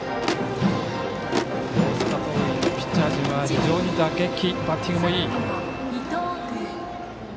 大阪桐蔭、ピッチャー陣は非常にバッティングもいい。